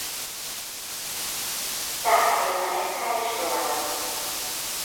Tápláléka nektár és rovarok.